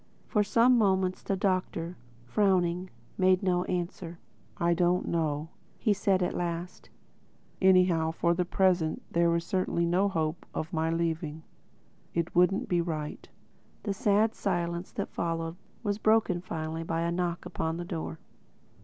For some moments the Doctor, frowning, made no answer. "I don't know," he said at last—"Anyhow for the present there is certainly no hope of my leaving. It wouldn't be right." The sad silence that followed was broken finally by a knock upon the door.